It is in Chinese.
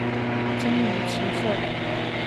精于骑射。